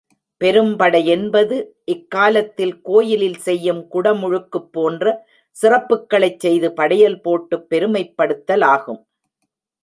பெரும்படை என்பது, இக் காலத்தில் கோயிலில் செய்யும் குடமுழுக்கு போன்ற சிறப்புக்களைச் செய்து படையல் போட்டுப் பெருமைப் படுத்தலாகும்.